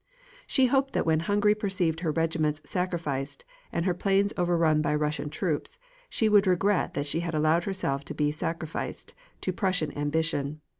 She hoped that when Hungary perceived her regiments sacrificed and her plains overrun by Russian troops, she would regret that she had allowed herself to be sacrificed to Prussian ambition.